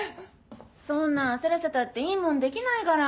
そんな焦らせたっていいもんできないから。